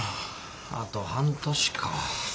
あと半年か。